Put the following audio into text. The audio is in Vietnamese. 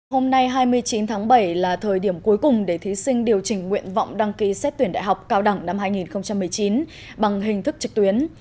hôm nay hai mươi chín tháng bảy là thời điểm cuối cùng để thí sinh điều chỉnh nguyện vọng đăng ký xét tuyển đại học cao đẳng năm hai nghìn một mươi chín bằng hình thức trực tuyến